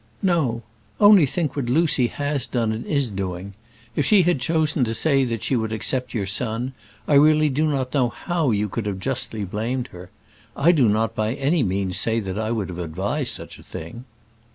"No. Only think what Lucy has done and is doing. If she had chosen to say that she would accept your son I really do not know how you could have justly blamed her. I do not by any means say that I would have advised such a thing."